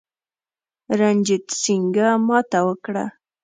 رنجیټ سینګه ماته وکړه.